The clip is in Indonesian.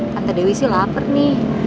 kata dewi sih lapar nih